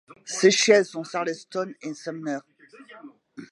Ses sièges sont Charleston et Sumner.